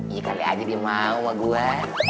iya kali aja dia mau sama gue